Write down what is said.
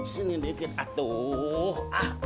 sini dikit atuh